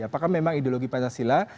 apakah memang ideologi pancasila